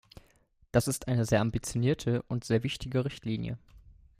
Das ist eine sehr ambitionierte und sehr wichtige Richtlinie.